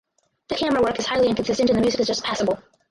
The camera work is highly inconsistent and the music is just passable.